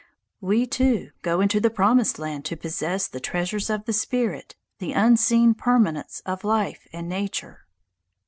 We, too, go in unto the Promised Land to possess the treasures of the spirit, the unseen permanence of life and nature.